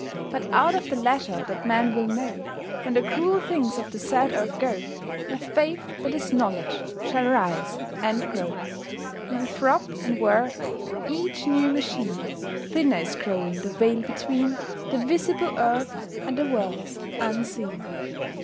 But out of the leisure that men will know, When the cruel things of the sad earth go, A Faith that is Knowledge shall rise and grow. In the throb and whir of each new machine Thinner is growing the veil between The visible earth and the worlds unseen.